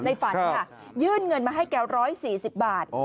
ฝันค่ะยื่นเงินมาให้แก๑๔๐บาท